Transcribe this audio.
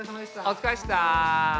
おつかれっした。